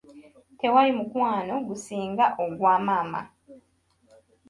Tewali mukwano gusinga ogwa maama.